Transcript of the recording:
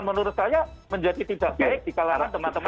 menurut saya menjadi tidak baik dikalahkan teman teman